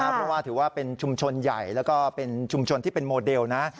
เพราะว่าถือว่าเป็นชุมชนใหญ่แล้วก็เป็นชุมชนที่เป็นโมเดลนะ